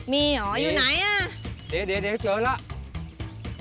มีเหรออยู่ไหนอ่ะเดี๋ยวเจอแล้ว